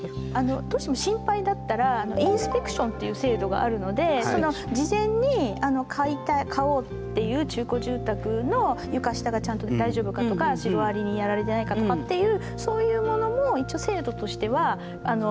どうしても心配だったらインスペクションっていう制度があるのでその事前に買おうっていう中古住宅の床下がちゃんと大丈夫かとかシロアリにやられてないかとかっていうそういうものも一応制度としてはあるんですね。